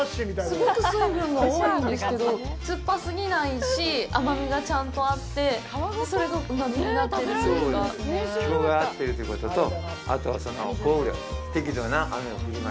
すごく水分が多いんですけど酸っぱすぎないし甘みがちゃんとあってそれがうまみになっているというか。